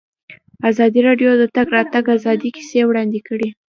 ازادي راډیو د د تګ راتګ ازادي کیسې وړاندې کړي.